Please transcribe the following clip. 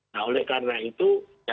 nah oleh karena itu